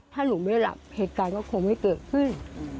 ถ้าหนูไม่หลับเหตุการณ์ก็คงไม่เกิดขึ้น